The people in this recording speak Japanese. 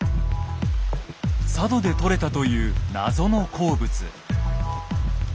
佐渡で採れたという謎の鉱物。